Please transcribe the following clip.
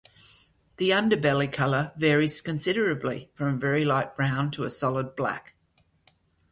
The underbelly color varies considerably, from a very light brown to a solid black.